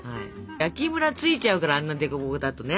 焼きムラついちゃうからあんな凸凹だとね。